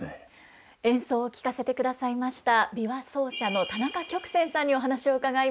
演奏を聴かせてくださいました琵琶奏者の田中旭泉さんにお話を伺います。